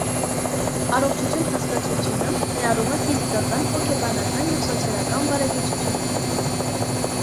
Առողջություն հասկացությունը ներառում է ֆիզիկական, հոգեբանական և սոցիալական բարեկեցությունը։